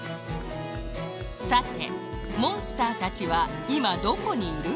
さてモンスターたちはいまどこにいる？